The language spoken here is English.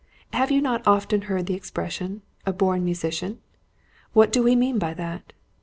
Have you not often heard the expression 'A born musician'? What do we mean by that?